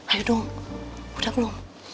ayo dong udah belum